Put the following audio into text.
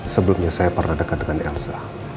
sebelumnya saya pernah dekat dengan elsa